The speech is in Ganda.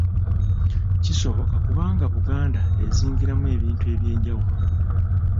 Kisoboka kubanga Buganda ezingiramu ebintu eby'enjawulo.